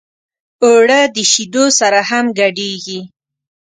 اوړه د شیدو سره هم ګډېږي